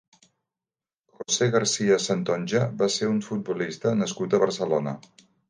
José García Santonja va ser un futbolista nascut a Barcelona.